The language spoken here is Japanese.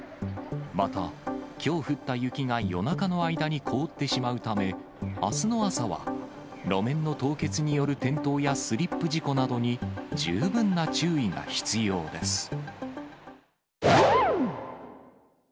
また、きょう降った雪が夜中の間に凍ってしまうため、あすの朝は路面の凍結による転倒やスリップ事故などに、十分な注意が必要です。